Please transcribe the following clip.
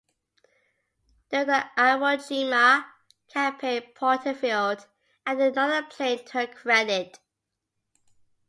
During the Iwo Jima campaign "Porterfield" added another plane to her credit.